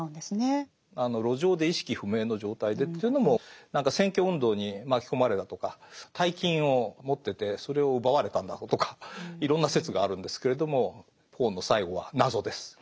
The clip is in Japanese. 路上で意識不明の状態でというのも何か選挙運動に巻き込まれたとか大金を持っててそれを奪われたんだとかいろんな説があるんですけれどもポーの最期は謎です。